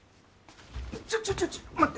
ちょちょちょ待って！